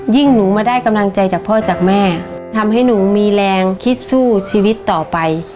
หนูมาได้กำลังใจจากพ่อจากแม่ทำให้หนูมีแรงคิดสู้ชีวิตต่อไป